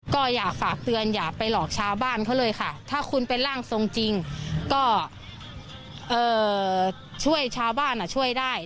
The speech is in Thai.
ก็อยากฝากเตือนอย่าไปหลอกชาวบ้านเขาเลยค่ะถ้าคุณเป็นร่างทรงจริงก็ช่วยชาวบ้านช่วยได้